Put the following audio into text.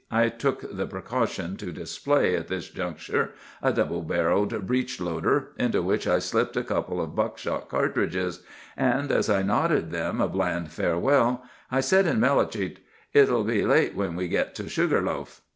I took the precaution to display, at this juncture, a double barrelled breech loader, into which I slipped a couple of buck shot cartridges; and as I nodded them a bland farewell, I said in Melicete, 'It'll be late when you get to Sugar Loaf.